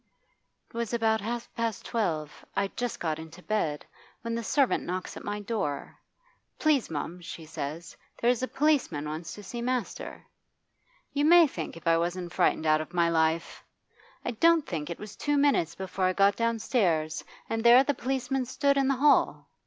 'It was about half past twelve I'd just got into bed when the servant knocks at my door. "Please, mum," she says, "there's a policeman wants to see master." You may think if I wasn't frightened out of my life! I don't think it was two minutes before I got downstairs, and there the policeman stood in the hall.